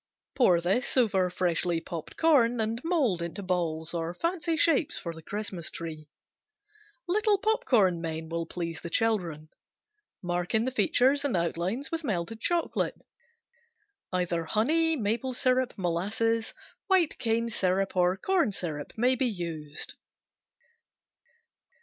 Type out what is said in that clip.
Pour over freshly popped corn and mold into balls or fancy shapes for the Christmas tree. Little popcorn men will please the children. Mark in the features and outlines with melted chocolate. Either honey, maple syrup, molasses, white cane syrup or corn syrup may be used.